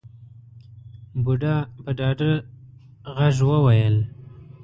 بوډا په ډاډه غږ وويل.